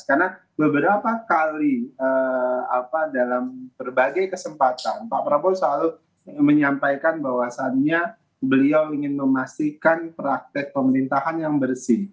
karena beberapa kali dalam berbagai kesempatan pak prabowo selalu menyampaikan bahwasannya beliau ingin memastikan praktek pemerintahan yang bersih